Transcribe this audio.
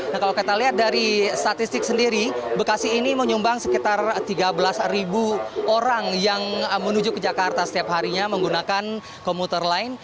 nah kalau kita lihat dari statistik sendiri bekasi ini menyumbang sekitar tiga belas orang yang menuju ke jakarta setiap harinya menggunakan komuter lain